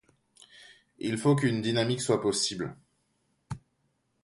Il faut qu'une dynamique soit possible.